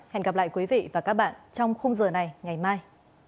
hẹn gặp lại quý vị và các bạn trong khung giờ này ngày mai